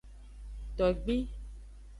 Togbi.